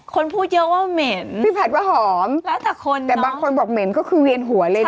คนพูดเยอะว่าเหม็นพี่ผัดว่าหอมแล้วแต่คนแต่บางคนบอกเหม็นก็คือเวียนหัวเลยนะ